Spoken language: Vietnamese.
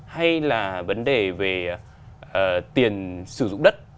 hay là vấn đề về tiền sử dụng đất